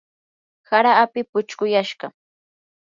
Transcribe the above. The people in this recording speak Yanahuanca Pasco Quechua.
hara api puchquyashqa.